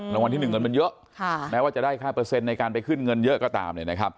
รางวัลที่๑เงินมันเยอะแม้ว่าจะได้ค่าเปอร์เซ็นต์ในการไปขึ้นเงินเยอะก็ตาม